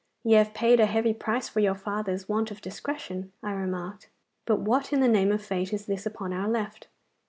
'Ye have paid a heavy price for your father's want of discretion,' I remarked. 'But what in the name of fate is this upon our left?